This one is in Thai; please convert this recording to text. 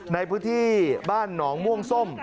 ในพื้นที่บ้านหนองม่วงส้ม